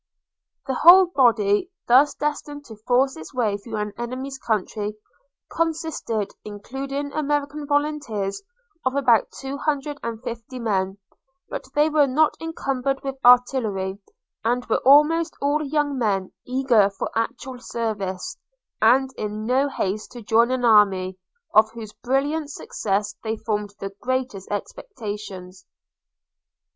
The whole body, thus destined to force its way through an enemy's country, consisted, including American volunteers, of about two hundred and fifty men; but they were not incumbered with artillery, and were almost all young men, eager for actual service, and in haste to join an army, of whose brilliant success they formed the greatest expectations.